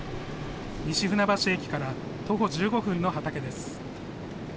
西船橋駅から徒歩１５分の畑です。